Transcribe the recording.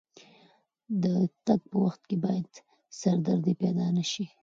د تګ په وخت کې باید سردردي پیدا نه شي.